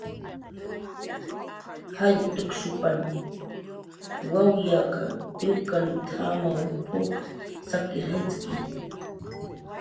"Jall tukshupan wawyaq iwkaliptjamaw p""uj sakir jayt'ki."